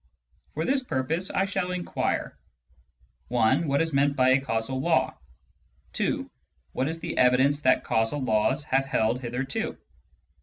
For this purpose I shall inquire : I., what is meant by a causal law ; IL, what is the evidence that causal laws have held hitherto ; III.